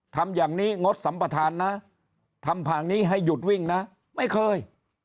ทำอย่างนี้งดสัมปทานนะทำผ่างนี้ให้หยุดวิ่งนะไม่เคย